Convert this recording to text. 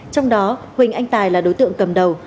trong đó huỳnh anh tài là đối tượng cầm đầu